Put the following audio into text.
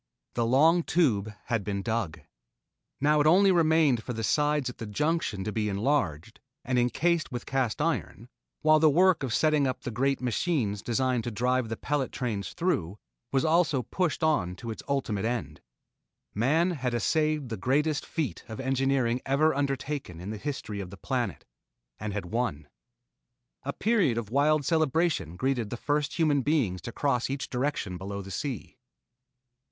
The long Tube had been dug. Now it only remained for the sides at the junction to be enlarged and encased with cast iron, while the work of setting up the great machines designed to drive the pellet trains through, was also pushed on to its ultimate end. Man had essayed the greatest feat of engineering ever undertaken in the history of the planet, and had won. A period of wild celebration greeted the first human beings to cross each direction below the sea.